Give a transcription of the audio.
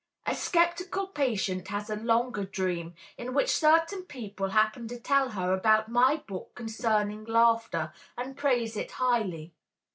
A sceptical patient has a longer dream, in which certain people happen to tell her about my book concerning laughter and praise it highly.